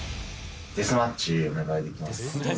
デスマッチお願いできますか？